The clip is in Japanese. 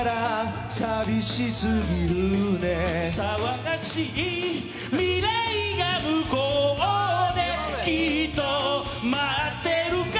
「騒がしい未来が向こうできっと待ってるから」